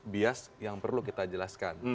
bias yang perlu kita jelaskan